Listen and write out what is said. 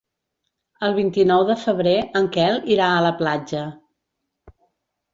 El vint-i-nou de febrer en Quel irà a la platja.